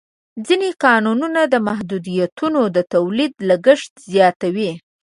ځینې قانوني محدودیتونه د تولید لګښت زیاتوي.